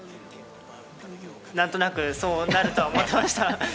何となくそうなると思ってました。